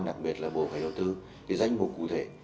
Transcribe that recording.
đặc biệt là bộ giao thông vận tải đối tư cái danh mục cụ thể